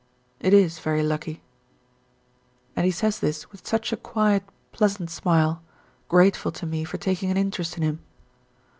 "It is very lucky." And he says this with such a quiet, pleasant smile, grateful to me for taking an interest in him.